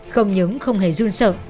không những không hề run sợ